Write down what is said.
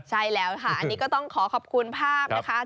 ใช่แล้วค่ะอันนี้ก็ต้องขอขอบคุณภาพนะคะ